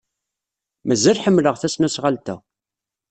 Mazal ḥemmleɣ tasnasɣalt-a.